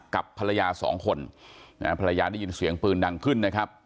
กับภรรยาสองคนนะฮะภรรยาได้ยินเสียงปืนดังขึ้นนะครับ